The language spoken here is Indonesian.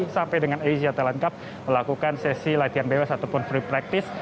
sampai dengan asia talent cup melakukan sesi latihan bebas ataupun free practice